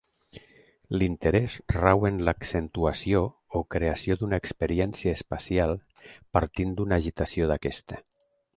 L'interès rau en l'accentuació o creació d'una experiència espacial partint d'una agitació d'aquesta.